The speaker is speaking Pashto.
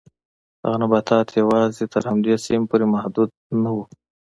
هغه نباتات یوازې تر همدې سیمې پورې محدود نه و.